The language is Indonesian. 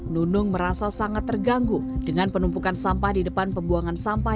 nunung merasa sangat terganggu dengan penumpukan sampah di depan pembuangan sampah